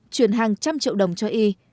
chuyển hàng trăm triệu đồng cho y